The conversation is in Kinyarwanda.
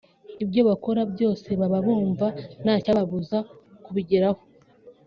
ibyo bakora byose baba bumva ntacyababuza kubigeraho